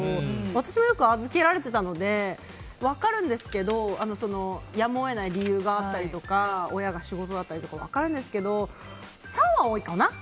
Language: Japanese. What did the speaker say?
私もよく預けられていたので分かるんですけどやむを得ない理由があったりとか親が仕事だったりとか分かるんですけど３は多いかな。